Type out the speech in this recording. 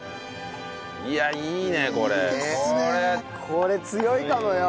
これ強いかもよ。